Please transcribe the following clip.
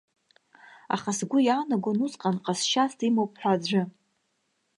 Аха сгәы иаанагон усҟан ҟазшьас имоуп ҳәа аӡәы.